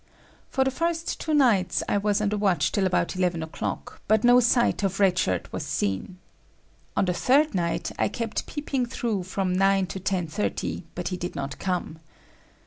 For the first two nights, I was on the watch till about 11 o'clock, but no sight of Red Shirt was seen. On the third night, I kept peeping through from nine to ten thirty, but he did not come.